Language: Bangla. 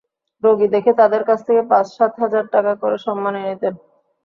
রোগী দেখে তাঁদের কাছ থেকে পাঁচ-সাত হাজার টাকা করে সম্মানী নিতেন।